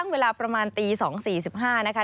สวัสดีค่ะสวัสดีค่ะ